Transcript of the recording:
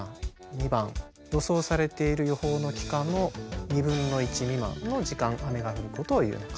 ２番予想されている予報の期間の２分の１未満の時間雨が降ることを言うのか。